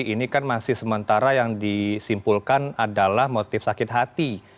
ini kan masih sementara yang disimpulkan adalah motif sakit hati